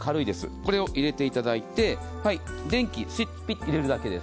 これを入れていただいてスイッチを入れるだけです。